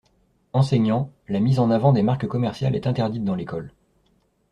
Enseignants, la mise en avant des marques commerciales est interdite dans l'école.